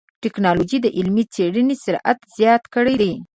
ټکنالوجي د علمي څېړنو سرعت زیات کړی دی.